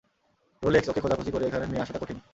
Rolex, ওকে খোঁজাখুঁজি করে এখানে নিয়ে আসাটা কঠিন।